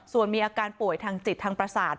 ส่วนมีอาการป่วยทางจิตทางประสาท